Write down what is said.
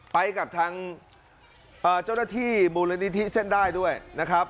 ไปกับทางเจ้าหน้าที่มูลนิธิเส้นได้ด้วยนะครับ